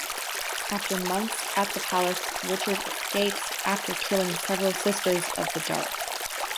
After months at the Palace, Richard escapes after killing several Sisters of the Dark.